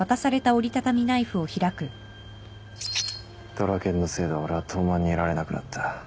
ドラケンのせいで俺は東卍にいられなくなった。